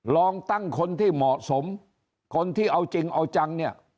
ลองตั้งคนที่เหมาะสมคนที่เอาจริงเอาจังเนี่ย